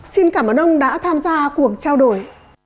xin cảm ơn ông đã tham gia cuộc trao đổi